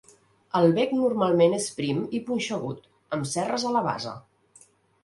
El bec normalment és prim i punxegut, amb cerres a la base.